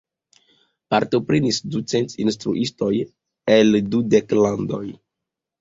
Partoprenis ducent instruistoj el dudek landoj.